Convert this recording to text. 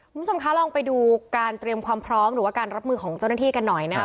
คุณผู้ชมคะลองไปดูการเตรียมความพร้อมหรือว่าการรับมือของเจ้าหน้าที่กันหน่อยนะครับ